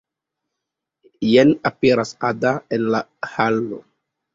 Jen aperas Ada en la halo.